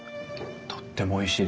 とってもおいしいです。